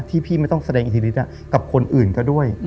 ที่พี่ไม่ต้องแสดงอิทธิฤทธิ์กับคนอื่นก็ด้วย